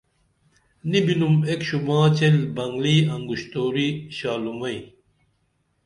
نی بِنُم ایک شوباں چیل بنگلی انگُشتُوری شالومئی